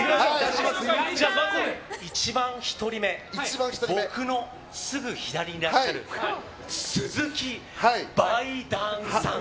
一番１人目僕のすぐ左にいらっしゃる鈴木バイダンさん。